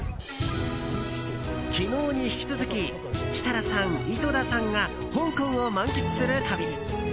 昨日に引き続き設楽さん、井戸田さんが香港を満喫する旅。